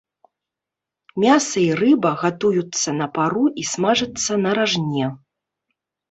Мяса і рыба гатуюцца на пару і смажацца на ражне.